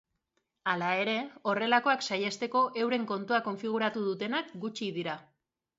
Hala ere, horrelakoak sahiesteko euren kontua konfiguratu dutenak gutxi dira.